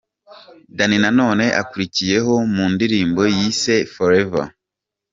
Danny Nanone akurikiyeho mu ndirimbo yise Forever.